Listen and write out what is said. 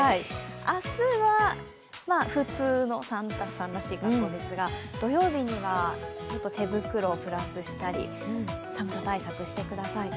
明日は普通のサンタさんらしい格好ですが土曜日には手袋をプラスしたり寒さ対策をしてください。